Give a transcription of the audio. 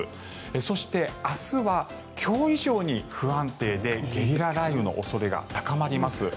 そして明日は今日以上に不安定でゲリラ雷雨の恐れが高まります。